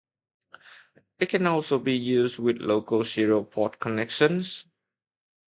It can also be used with local serial port connections.